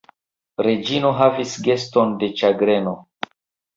Reĝino havis geston de ĉagreno.